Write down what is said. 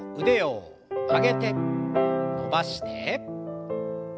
腕を曲げて伸ばして。